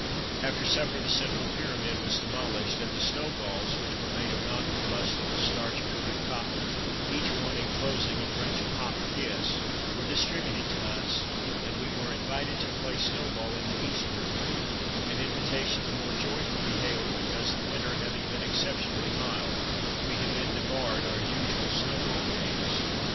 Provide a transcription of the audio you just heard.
After supper the central pyramid was demolished Christmas Under Three Tlags and the snow balls, which were made of non com bustible starch coated cotton, each one enclosing a French pop kiss, were distributed to us, and we were invited to play snow ball in the East Room, an in vitation the more joyfully hailed because the winter having been exceptionally mild we had been debarred our usual snow ball games.